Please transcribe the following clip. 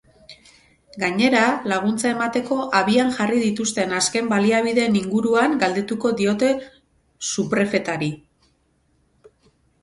Gainera, laguntza emateko abian jarri dituzten azken baliabideen inguruan galdetuko diote suprefetari.